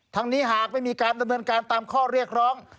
ทั้งนี้หากไม่มีการดำเนินการตามข้อเรียกร้อง